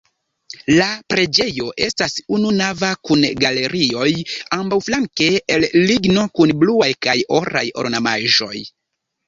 La preĝejo estas ununava kun galerioj ambaŭflanke el ligno kun bluaj kaj oraj ornamaĵoj.